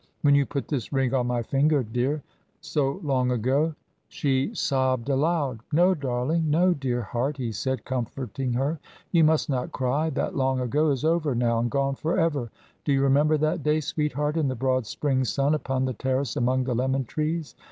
"When you put this ring on my finger, dear so long ago " She sobbed aloud. "No, darling no, dear heart," he said, comforting her, "you must not cry that long ago is over now and gone for ever. Do you remember that day, sweetheart, in the broad spring sun upon the terrace among the lemon trees.